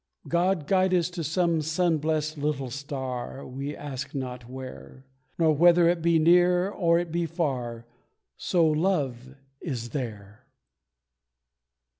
God guide us to some sun blessed little star, We ask not where, Nor whether it be near or it be far, So Love is there.